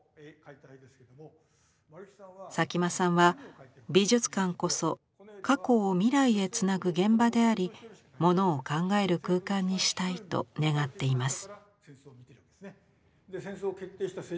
佐喜眞さんは美術館こそ過去を未来へつなぐ現場でありものを考える空間にしたいと願っています。